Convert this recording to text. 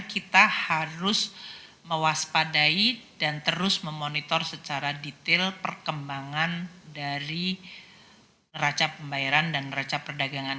kita harus mewaspadai dan terus memonitor secara detail perkembangan dari raca pembayaran dan raca perdagangan